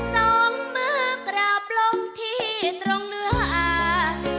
สองมือกราบลงที่ตรงเนื้อหา